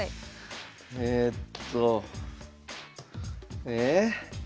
えっと。え？